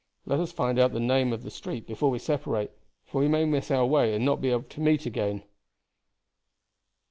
Let us find out the name of the street before we separate, for we may miss our way and not be able to meet again."